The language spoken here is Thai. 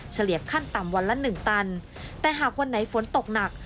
เฉลี่ยขั้นต่ำวันละ๑ตันแต่หากวันไหนฝนตกหนัก